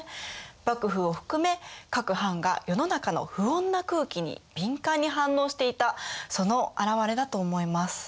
幕府を含め各藩が世の中の不穏な空気に敏感に反応していたその表れだと思います。